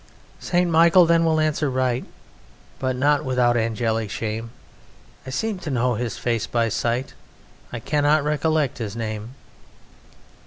"St. Michael then will answer right (But not without angelic shame): 'I seem to know his face by sight; I cannot recollect his name....'